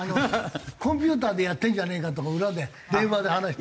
コンピューターでやってるんじゃねえか？とか裏で電話で話してたとか。